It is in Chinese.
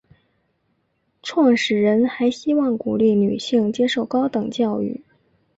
创始人还希望鼓励女性接受高等教育。